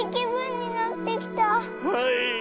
はい。